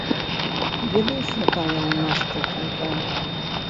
Ведаеш, якая ў нас тэхніка?